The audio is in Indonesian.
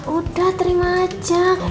udah terima aja yuk